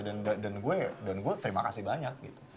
dan gue terima kasih banyak